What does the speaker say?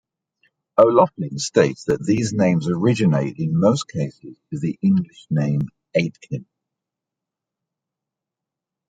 O'Laughlin states that these names originate, in most cases, to the English name "Aitken".